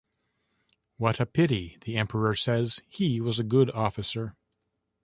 "What a pity," the emperor says, "he was a good officer.